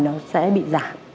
nó sẽ bị giảm